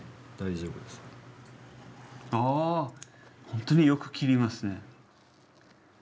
本当によく切れますね。